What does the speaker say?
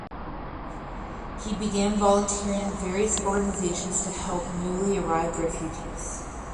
He began volunteering at various organizations to help newly arrived refugees.